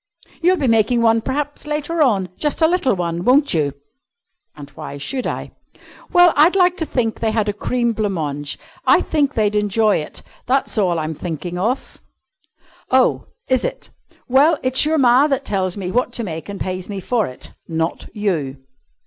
You'll be making one, p'raps, later on just a little one, won't you?" "And why should I?" "Well, I'd like to think they had a cream blanc mange. I think they'd enjoy it. That's all I'm thinking of." "Oh, is it? Well, it's your ma that tells me what to make and pays me for it, not you."